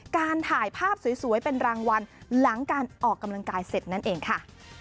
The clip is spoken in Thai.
การถ่ายภาพสวยเป็นรางวัลหลังการออกกำลังกายเสร็จนั่นเองค่ะ